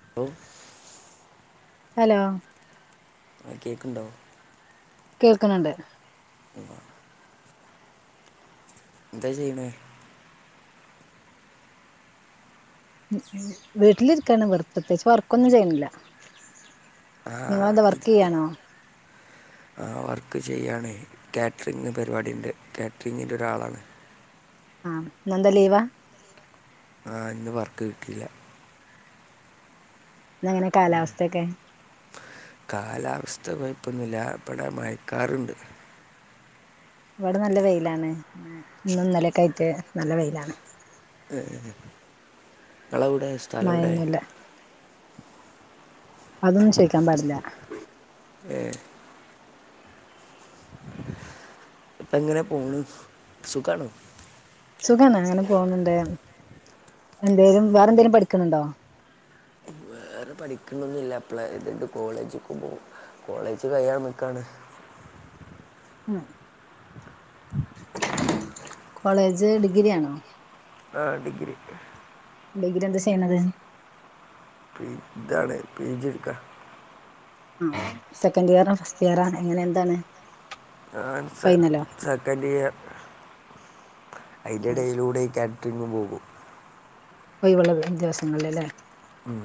ന്തോ ഹലോ ആ കേക്കണുണ്ടോ? കേൾക്കണുണ്ട്. ന്താ ചെയ്യണെ വീട്ടിലിരിക്കയാണ് വെർതെ പ്രത്യേകിച്ച് വർക്കൊന്നും ചെയ്യുന്നില്ല. നിങ്ങളെന്താ വർക്ക് ചെയ്യാണോ? ആഹ് വർക്ക് ചെയ്യാണ് കേറ്ററിംഗ് പരിപാടിയുണ്ട് കേറ്ററിംഗിൻ്റെ ഒരാളാണ് ആഹ് ഇന്നെന്താ ലീവാ ആഹ് ഇന്ന് വർക്ക് കിട്ടിയില്ല ഇന്നെങ്ങനെ കാലാവസ്ഥയൊക്കെ കാലാവസ്ഥ കൊയപ്പൊന്നുല്ല ഇവടെ മയക്കാറുണ്ട് ഇവടെ നല്ല വെയിലാണ് ഇന്നുന്നലെക്കായിറ്റ് നല്ല വെയിലാണ് ഏ ങ്ങളെവിടെ സ്ഥലൊവിടെ മഴയൊന്നുമില്ല അതൊന്നും ചോയിക്കാൻ പാടില്ല ഏ ഇപ്പെങ്ങനെ പോണ് സുഖാണോ സുഖാന്ന് അങ്ങനെ പോന്നുണ്ട് എന്തേലും വേറെ എന്തേലും പഠിക്ക്ണ് ണ്ടോ വേറെ പഠിക്ക്ന്നൊന്നില്ല അപ്ലൈതിണ്ട് കോളേജ്ക്ക് പോം കോളേജ് കയ്യാൻ നിക്കാണ് ഉം കോളേജ് ഡിഗ്രിയാണോ ആഹ് ഡിഗ്രി ഡിഗ്രി എന്താ ചെയ്യണത് ഇതാണ് പിജി എടുക്കാ ആഹ് സെക്കൻ്റിയറ ഫസ്റ്റിയറാണ് എങ്ങനെ എന്താണ് ആൻസർ ഫൈനലോ സെക്കൻഡ് ഇയർ അയിന്റെടയിലൂടെയീ കാറ്റ് ട്രിങ്ങും പോകും ഒയിവുളള [unintelligible] ദിവസങ്ങളിലല്ലേ ഉം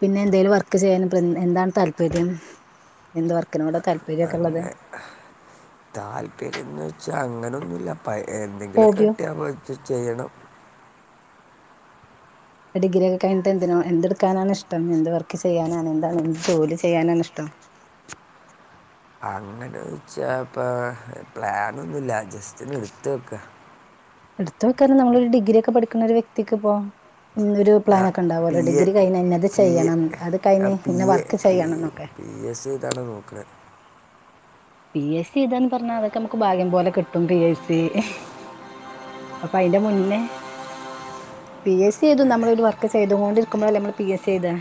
പിന്നെ എന്തേലും വർക്ക് ചെയ്യാനി [unintelligible] എന്താണ് താല്പര്യം എന്ത് വർക്കിനോട താല്പക്കെള്ളത് താല്പര്യൊക്കെള്ളത് താല്പര്യംന്ന്വെച്ചാ അങ്ങനൊന്നുല്ല പയെ എ എന്തെങ്കിലും ഹോബിയോ കിട്ടിയാ പോയിട്ട് ചെയ്യണം ഡിഗ്രിയക്ക കയിഞ്ഞിട്ട് എന്തിനോ എന്തെടുക്കാനാണിഷ്ടം എന്ത് വർക്ക് ചെയ്യാനാണ് എന്താണ് എന്ത് ജോലി ചെയ്യാനാണ് ഇഷ്ടം അങ്ങനോയ്ച്ചാപ്പ പ്ലാനൊന്നുല്ലാ ജസ് സ്റ്റൊന്നെടുത്തൊക്ക എടുത്ത് വെക്കാന നമ്മളൊരു ഡിഗ്രിയൊക്കെ പഠിക്കുന്നൊരു വ്യക്തിക്കിപ്പോ ഇന്നൊരു ഞാൻ പി പ്ലാനൊക്കിണ്ടാവുവല്ലോ എ ഡിഗ്രി കഴിഞ്ഞ ഇന്നത് പി എ ചെയ്യണം അത് ഞാൻ കഴിഞ്ഞ് പി ഇന്ന എ വർക്ക് പി ചെയ്യണംന്നൊക്കെ പി എസ് ഇതാണ് നോക്കണത് പി എസ് സി എയ്താന്ന് പറഞ്ഞാ അതൊക്കെ മ്മക്ക് ഭാഗ്യം പോലെ കിട്ടും പി എസ് സി അപ്പ അയിന്റ മുന്നേ പി എസ് സി എയ്തും അല്ലേ നമ്മളൊരു വർക്ക് ചെയ്തുങ്ങോണ്ടിരിക്കുമ്പഴല്ലേ നമ്മള് പി എസ് സി ചെയ്താ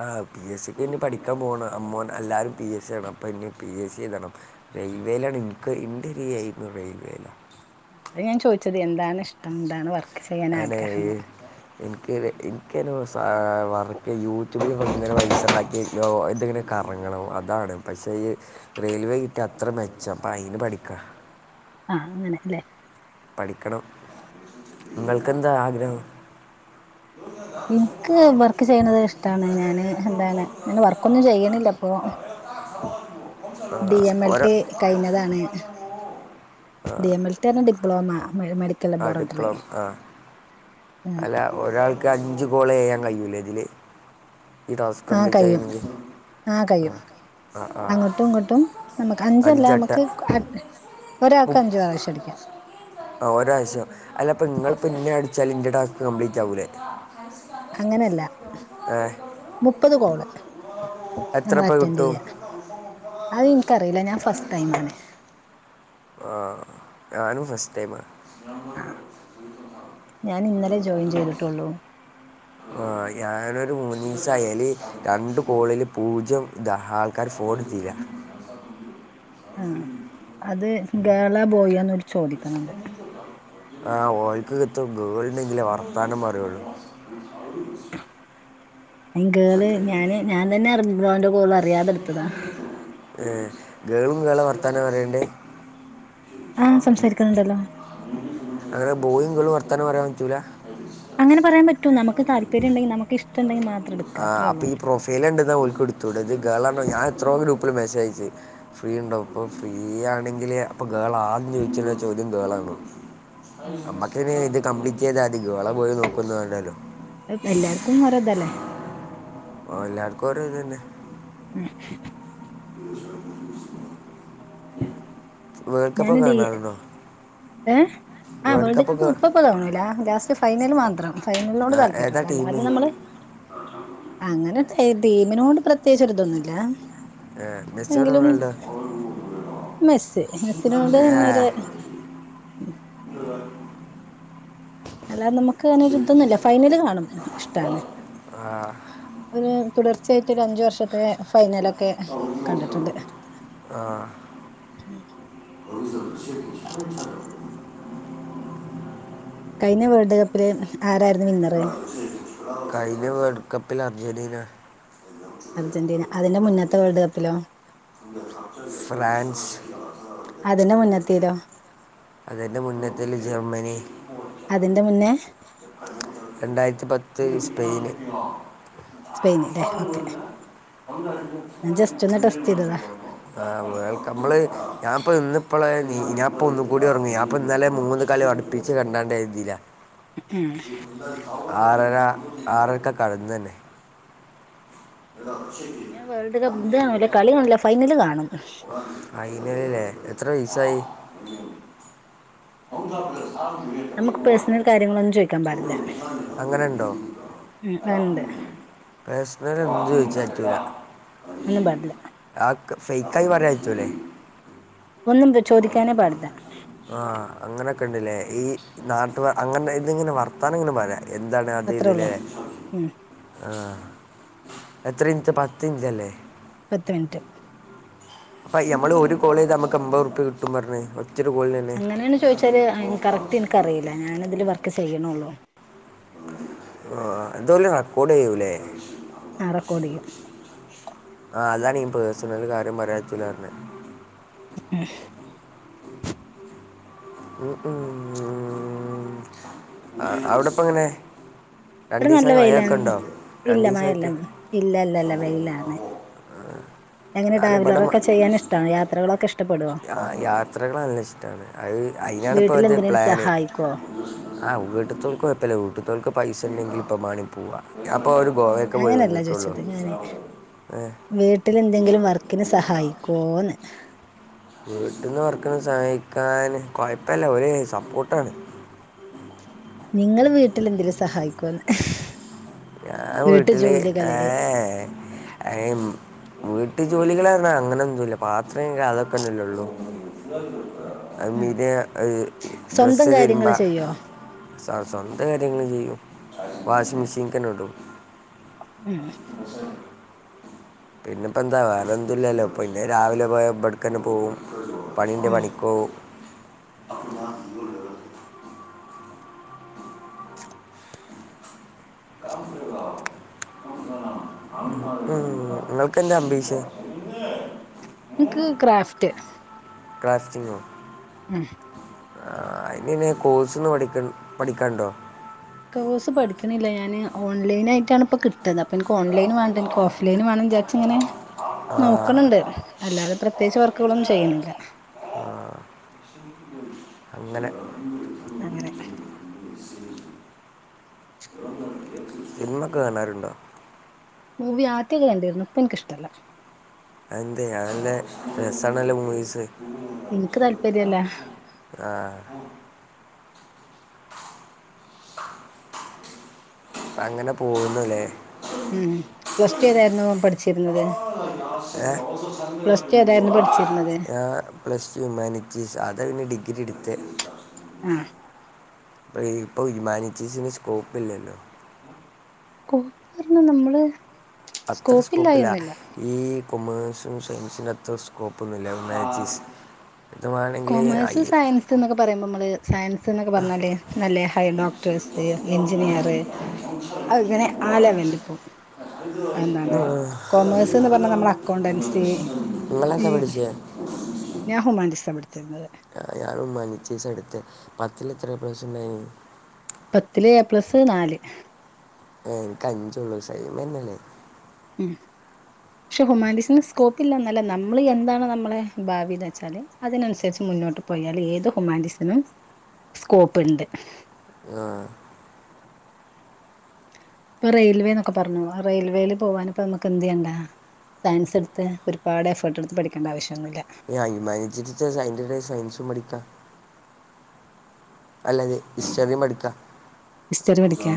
ആഹ് പി എസ് സിക്ക് ഇനി പഠിക്കാൻ പോണ അമ്മോൻ എല്ലാരും പി എസ് സിയാണ് അപ്പ എന്നേം പി എസ് സി എഴുതണം റെയിൽവേലാണ് ഇനിക്ക് ഇൻ്റൊരു എയിമ് റെയിൽവേല അയ് ഞാൻ ചോയിച്ചത് എന്താണ് ഇഷ്ടം എന്താണ് വർ അനേ എനിക്ക് എനിക്കെനോ സാ വർക്ക് യൂട്യൂബില് ഇപ്പിങ്ങനെ പൈസണ്ടാക്കി ലോ എന്തെങ്ങനെ കറങ്ങണം അതാണ് പക്ഷേ ഈ റെയിൽവേ കിട്ടിയ അത്ര മെച്ചം പ്പയിന് പഠിക്കാ ആഹ് അങ്ങനെ ല്ലേ പഠിക്കണം നിങ്ങൾക്കെന്താ ആഗ്രഹം എനിക്ക് വർക്ക് ചെയ്യണത് ഇഷ്ടാണ് ഞാന് എന്താണ് ഞൻ വർക്ക്ൊന്നും ചെയ്യണില്ല അപ്പൊ ആ, ഡി എം എൽ ഓരോ ടി കഴിഞ്ഞതാ ണ് ഡി എം എൽ ടി ർഞ്ഞ ഡിപ്ലോമ മെഡിക്കൽ ആ ലബോറട്ടറി ഡിപ്ലോമ് ആ ഉം അല്ല ഒരാൾക്ക് അഞ്ചു കോള് ചെയ്യാൻ കയൂ ലേ ഇതില്? ആഹ് കയിയും ആ കയിയും ആ ആ ആ അങ്ങോട്ടും ഇങ്ങോട്ടും നമ്മക്ക് അഞ്ചല്ല അഞ്ചട്ട നമ്മക്ക് അ ഒരാൾക്ക് മുപ്പ അഞ്ചു പ്രാവശ്യം അടിക്കാം ആ ഒരാവശ്യം അല്ല ഇപ്പ ഇങ്ങളിപ്പ ഇന്നെ അടിച്ചാല് ഇൻ്റെ ടാ കംബ്ലീറ്റാവൂലേ അങ്ങനെയല്ല [unintelligible] മുപ്പത് കോള് നമ്മൾ എത്രപ്പ അറ്റൻഡ് കിട്ടും ചെയ്യ അത് ഇനിക്കറിയില്ല ഞാൻ ഫസ്റ്റ് ടൈം ആണ് ആ, ഞാനും ഫസ്റ്റ് ടൈമാ [unintelligible] ഞാന് ഇന്നലെ ജോയിൻ ചെയ്തിട്ടെയുള്ളൂ. ആഹ് ഞാനൊരു മൂന്ന് ദിവസായി അയില് രണ്ട് കോളില് പൂജ്യം ഇതാ ആൾക്കാര് ഫോണ് ചെയ്യാ ആഹ് അത് ഗേളാ ബോയാന്നാ ഓല് ചോയിക്കണത് ആ ഓൽക്ക് [unintelligible] ഗേള്ണ്ടെങ്കിലേ വർത്താനം പറയുള്ളൂ അയിന് ഗേള് മറ്റേ, ഞാന് ഞാൻ തന്നെ അർ ബ്രോന്റെ കോള് അറിയാതെടുത്തതാ ഏഹ് ഗേളും ഗേളാ വർത്താനം പറയണ്ടേ? ആഹ് സംസാരിക്കുന്നുണ്ടല്ലോ അങ്ങനെ ബോയിം ഗേളും വർ ർത്താനം പറയാന് പറ്റൂലാ? അങ്ങനെ പറയാൻ പറ്റും നമക്ക് താല്പര്യ ഇണ്ടെങ്കിൽ നമക്ക് ഇഷ്ട്ടം ഇണ്ടെങ്കിൽ മാത്രം എടുക്കുക ആ അത്രേ അപ്പൊ ഉള്ളൂ ഈ പ്രൊഫൈല ഉണ്ട ഓൾക്ക് എടുത്തുടെ [unintelligible] ഞാൻ എത്രോ ഗ്രൂപ്പിൽ മെസ്സ [unintelligible] ഫ്രീ ഉണ്ടാവും അപ്പോൾ ഫ്രീ ആണെങ്കിൽ അപ്പോൾ ഗേൾ ആദ്യെന്ന് ചോദിച്ച വെച്ചാൽ ഒും ഗേള ആണ ഉം നമക്കിനി ഇത് കംപ്ലീറ്റ് ചെയ്താ [unintelligible] അവള പോയി നോക്കുന്നല്ലല്ലോ എല്ലാർക്കും വറതല്ലേ ഓ എല്ലാർക്കും ഓരോ ഇത് തന്നെ ഉം വേൾഡ് കപ്പ് ഞാന ഒക്കെ ഡീ കാണാറുണ്ടോ ഏഹ് ആ വേൾഡ് കപ്പ് ഇപ്പപ്പ കാണുല്ല ല ഫസ്റ്റ് ഫൈനൽ മാത്രം ഫൈനലിനോട് ആ, ഏതാ താല്പര്യല്ലോ അല്ല ടീം അത് നമ്മള് അങ്ങനെത്തെ ദീമിനോട് പ്രത്യേകിച്ച്തൊരൂന്നുല്ല മെസ്റ്റർ [unintelligible] മെസ്സ് മെസ്സിനോട് ഇന്നര് അല്ലാതെ നമ് [unintelligible] ഇതോന്നില്ല ഫൈനൽ കാണാം ഇഷ്ടാണ് ഒരു തുടർച്ചയാ അഞ്ച് വർഷത്തെ ഫൈനലൊക്കെ കണ്ടിട്ടുണ്ട് ആ. കഴിഞ്ഞ വേൾഡ് കപ്പില് ആരായിരുന്നു വിന്നറ് കഴിഞ്ഞ വേൾഡ് കപ്പിൽ അർജന്റീന അർജന്റീന അതിന്റെ മുന്നത്തെ വേൾഡ് കപ്പിലോ ഫ്രാൻസ് അതിന്റെ മുന്നെത്തേതോ അതിന്റെ മുന്നത്തിൽ ജർമ്മനി അതിന്റെ മുന്നേ രണ്ടായിരത്തി പത്ത് സ്പെയിന് സ്പെയിനല്ലേ ഓക്കേ ആ വേ നമ്മള് ഞാൻ ഇന്ന് ഇപ്പോള ഇനിപ്പൊ ഒന്ന് കൂടി ഉറങ്ങി ഞാപ്പൊ ഇന്നലെ മൂന്ന് കളി അടുപ്പിച്ച് കണ്ടാണ്ടതീല ഉം ആറര ആറരക്കെ കടന്നു തന്നെ ഞാൻ വേൾഡ് കപ്പ് ഇത് കാണല്ലേ കളി കാണൂല്ല ഫൈനല് കാണും ആയിനലല്ലേ എത്ര വയസായി നമുക്ക് പേഴ്സണൽ കാര്യങ്ങളൊന്നും ചോദി ചോദിക്കാൻ പാടില്ല അങ്ങനെയുണ്ടോ ഉണ്ട് പേഴ്സണൽ എന്ത് ചോദിക്കുവാ ഒന്നും പാടില്ല ഫേക്കായി പറയാൻ പറ്റൂലേ ഒന്നും ചോദിക്കാനേ പാടില്ല ആ അങ്ങനൊക്കെ ഉണ്ടല്ലേ ഈ നാട്ടുകാർ അങ്ങനെ അതിങ്ങനെ വർത്തമാനം പറ എന്താണ് അത് അത്രേ ഇതിൽ ഉള്ളൂ ഉം ആ എത്ര ഇഞ്ച് പത്ത് ഇഞ്ചല്ലേ പത്ത് മിനിറ്റ് അപ്പ മ്മള് ഒരു കോള് ചെയ്താൽ നമുക്ക് അമ്പത് റുപ്പിയ കിട്ടും പറഞ്ഞേ അങ്ങനെയാണ് ചോദിച്ചാല് കറക്റ്റ് എനിക്കറിയില്ല ഞൻ ഇതില് വർക്ക് ചെയ്യണള്ളൂ ആ എന്തൊയെല്ലാം റെക്കോട്ചെയൂലേ ആ. റെക്കോഡ് ചെയ്യും ആ അതാണ് ഈ പേഴ്സണല് കാര്യം പറയാറ്റില്ലഞ്ഞെ ഏ അവിടെപ്പങ്ങനെ ഇവിടെ നല്ല വെയിലാണ് രണ്ട് ഇല്ല മഴല്ല ദിവസമായിട്ട് ഇവിടെ ഇല്ല ഇല്ലല്ല വെയിലാണ് എങ്ങനെ ട്രാവലറൊക്കെ ചെയ്യാൻ ഇഷ്ടാണോ യാത്രകളൊക്കെ ഇഷ് ആ യാത്രകൾ നല്ല ഇഷ്ടാണ് അത് അയ്നാണിപ്പോ ഇത് വീട്ടിലെന്തിനേലും പ്ലാന് സഹായിക്കോ ആ വീട്ട്ത്തോൽക്ക് കൊഴപ്പല്ല വീട്ട്ത്തോൽക്ക് പൈസ ഉണ്ടെങ്കി മാണി പോവാ ഞാപ്പം അങ്ങനെയല്ല ചോദിച്ചത് ഞാന് ഏ വീട്ടിൽ എന്തെങ്കിലും വർക്കിന് സഹായിക്കോന്ന് വീട്ടിന്ന് വർക്കിന് സഹായിക്കാൻ കൊഴപ്പല്ല ഓല് സപ്പോർട്ടാണ് നിങ്ങള് വീട്ടിൽ എന്തേലും സഹായിക്കോന്ന്‌ ഞാൻ വീട്ടില് ഏ ഏ അ വീട്ടിൽ ജോലികളന്ന അങ്ങനൊന്നുല്ല പാത്രം കഴുക അതൊക്കെന്നല്ലള്ളു ഉം [unintelligible] സ്വന്തം ഡ്രസ്സ് തിരുമ്പ കാര്യങ്ങള് ചെയ്യോ സ്വന്തം കാര്യങ്ങള് ചെയ്യും. വാഷിങ്മിഷിൻ [unintelligible] [unintelligible] പിന്നെപ്പെന്താ വേറെ എന്തൂല്ലല്ലോ പിന്നെ രാവിലെ പോയ ഇബടെക്കന്നെ പോവും. പണിൻ്റെ ഉം പണിക്കോകും ആ ഉം നിങ്ങൾക്ക് എന്താ അംബിഷൻ എനിക്ക് ക്രാഫ് റ്റ് ക്രാഫ്റ്റിംഗോ ഉം ആ അയ്നയ്ന് കോഴ്സ്ന്ന് പഠിക്ക പഠിക്കാണ്ടോ? കോഴ്സ് പഠിക്കണില്ല ഞാന് ഓൺലൈനായിട്ടാണ് ഇപ്പ കിട്ട്ണ അപ്പം ഇൻക്ക് ഓൺലൈന് വേണ്ട ഓഫ്‌ ലൈൻ വേണം വിചാരിച്ച് ഇങ്ങനെ ആ, നോക്കണണ്ട് അല്ലാതെ പ്രത്യേകിച്ച് വ ക്കുകളും ചെയ്യണില്ല അങ്ങനെ അങ്ങനെ സിനിമ ഒക്കെ കാണാറുണ്ടോ മൂവി ആദ്യൊക്കെ കണ്ടിരുന്നു ഇപ്പെനിക്കിഷ്ടല്ല. അതെന്തേ നല്ല രസാണല്ലോ മൂവീസ്. എനിക്ക് താല്പര്യല്ല ആാ അങ്ങനെ പോകുന്നുല്ലേ ഉം പ്ലസ് ടു ഏതായിരുന്നു പഠിച്ചിരുന്നത് എ പ്ലസ് ടു ഏതായിരുന്നു പഠിച്ചിരുന്നത് ഞാ പ്ലസ്ടു ഹ്യമാനിറ്റീസ് അതാ പിന്നെ ഡിഗ്രി ഇട്ത്തെ. ആ ഇപ്പോൾ ഹിമാനിറ്റീസിനു സ്കോപ്പ് ഇില്ലല്ലോ കോപ്പ്ർഞ നമ്മള് അത്ര സ്കോപ്പില്ല സ്കോപ്പില്ലായൊന്നുല്ല ഈ കൊമേഴ്സ് സയൻസിന്റെ അത്ര സ്കോപ്പൊന്നുല്ല ഹുമാനിറ്റീസ്‌ കോമേഴ്സ് സയൻസ് ന്നൊക്കെ പറയുമ്പോ നമ്മള് സയൻസ് എന്നൊക്കെ പറഞ്ഞാല് നല്ല ഹൈ ഡോക്ടേഴസ് എഞ്ചിനീയർ അങ്ങനെ ആ ലെവല് പോവും എന്താണ് കോമേഴ്സ് ന്ന് പറഞ്ഞാ നമ്മള അക്കൗണ്ടൻസി ഈ നിങ്ങളെന്താ പഠിച്ചേ ഞാൻ ഹുമാൻറ്റിസ പട് തിന്നത് ആ ഞാൻ ഉമാനിറ്റിസ എടുത്തെ പത്തിലെത്ര എ പ്ലസ് ണ്ടായീന്ന് പത്തില്ല് എ പ്ലസ് നാല് ആ എനിക്ക് അഞ്ചോള്ളൂ സൈമന്നെണ് ഉം പക്ഷെ ഹുമാനിറ്റീസിന് സ്കോപ്പ് ഇല്ലന്നല്ല നമ്മള് എന്താണ് നമ്മളെ ഭാവിന്ന് വെച്ചാല് അതിനനുസരിച്ച് മുന്നോട്ട് പോയാല് ഏത് ഹുമാനിറ്റീസിനും സ്കോപ്പ് ണ്ട് ആഹ് ഇപ്പൊ റെയിൽവേ ന്നൊക്കെ പറഞ്ഞു റെയിൽവേൽ പോവാനിപ്പോ നമുക്ക് എന്ത് ചെയ്യണ്ടാ സയൻസ് എടുത്ത് ഒരുപാട് എഫേർട്ട് എടുത്ത് പഠിക്കേണ്ട ആവശ്യ [unintelligible] അയ്‌ന്റെ ടെ സയൻസും പഠിക്കാ അല്ലതെ ഇസ്റ്ററിം പഠിക്കാ ഇസ്റ്ററി പഠിക്കെ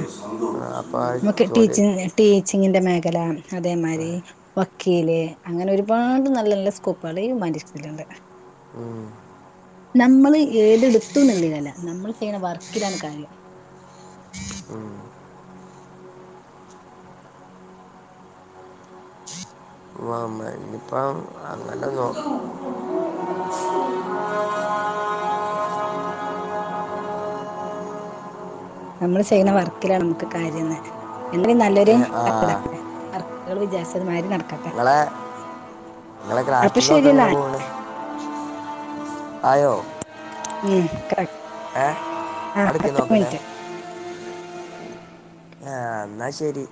ആ നമക്ക് ജോലി ടീച്ചി ടീച്ചിങ്ങിന്റെ മേഖല ആ, അതേമാരി വക്ക് കീല് അങ്ങനെ ഒരുപാട് നല്ല നല്ല സ്കോപ്പേള് ഈ ഉമാൻറ്റീസിലുണ്ട്. ഉം നമ്മള് ഏതടുത്തു നുള്ളീലല്ല നമ്മൾ ചെയ്യണ വർക്കിലാണ് കാര്യം. ഉം വമ്മ ഇയിപ്പ അങ്ങനെ നോക്കും. നമ്മള് ചെയ്യുന്ന വർക്കിലാ നമ്മുക്ക് കാര്യന്ന് എന്തിനും ഏ, ആ നല്ലൊരുല്ല [unintelligible] ങ്ങള് വിചാര്ച്ചത് മാരി നട നിങ്ങളെ നിങ്ങളെ അപ്പൊ ഗ്രാഫറ്റിഗ് ഒക്കെ ശരി എങ്ങനെ എന്നാൽ പോണ് അയോ ഉം കറക് ആ അടുക്കി പത്ത് നോക്കട്ടെ മിനിറ്റ് ആഹ് എന്നാ ശരി